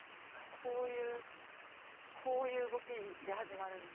こういうこういう動きで始まるんで。